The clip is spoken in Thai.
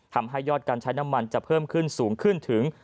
ทำให้ยอดการใช้น้ำมันจะเพิ่มขึ้นสูงขึ้นถึง